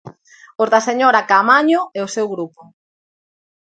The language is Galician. Os da señora Caamaño e o seu grupo.